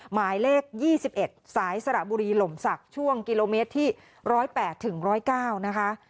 หมายเลข๒๑สายสระบุรีหล่มศักดิ์ช่วงกิโลเมตรที่๑๐๘ถึง๑๐๙นะคะ